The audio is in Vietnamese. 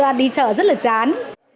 thật ra đi chợ rất là chán